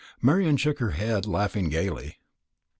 Marian shook her head, laughing gaily.